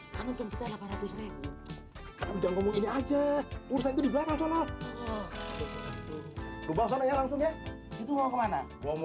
kan untung kita rp delapan ratus